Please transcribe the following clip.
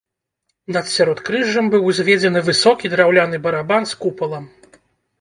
Над сяродкрыжжам быў узведзены высокі драўляны барабан з купалам.